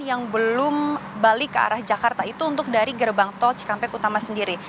yang belum balik ke arah jakarta itu untuk dari gerbang tol cikampek utama sendiri